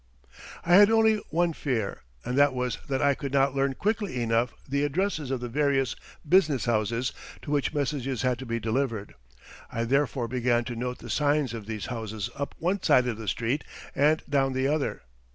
I had only one fear, and that was that I could not learn quickly enough the addresses of the various business houses to which messages had to be delivered. I therefore began to note the signs of these houses up one side of the street and down the other.